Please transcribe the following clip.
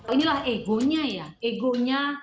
inilah egonya ya egonya